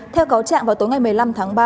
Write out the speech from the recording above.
theo cáo trạng vào tối ngày một mươi năm tháng ba